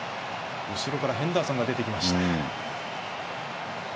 後ろからヘンダーソンが出てきました。